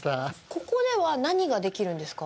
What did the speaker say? ここでは何ができるんですか？